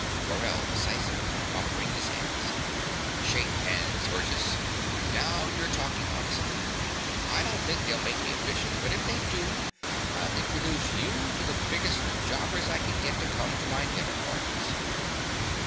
MORELL (decisively offering his hand). Shake hands, Burgess. Now you're talking honestly. I don't think they'll make me a bishop; but if they do, I'll introduce you to the biggest jobbers I can get to come to my dinner parties.